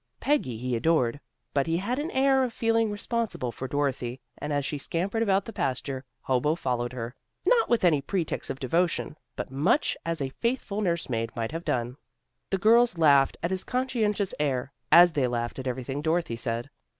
Peggy he adored, but he had an air of feeling responsible for Dorothy, and as she scampered about the pasture, Hobo followed her, not with any pretext of devotion, but much as a faithful nurse maid might have done. The girls laughed at his conscientious air as they laughed at everything Dorothy said.